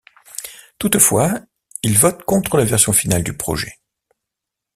Toutefois, il vote contre la version finale du projet.